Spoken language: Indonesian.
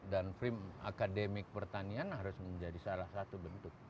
dan frame akademik pertanian harus menjadi salah satu bentuk